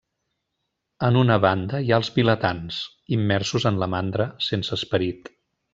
En una banda hi ha els vilatans: immersos en la mandra, sense esperit.